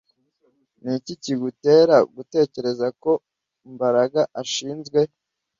Niki kigutera gutekereza ko Mbaraga ashinzwe